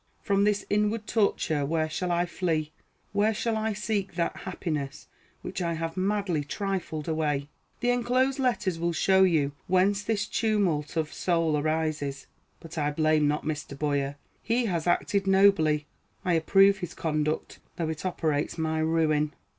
From this inward torture where shall I flee? Where shall I seek that happiness which I have madly trifled away? The enclosed letters[A] will show you whence this tumult of soul arises. But I blame not Mr. Boyer. He has acted nobly. I approve his conduct, though it operates my ruin.